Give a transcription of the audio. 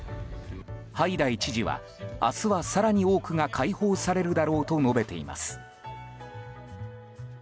ハイダイ知事は明日は更に多くが解放されるだろうと述べています。